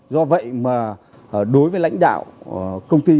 do vậy mà đối với lãnh đạo công ty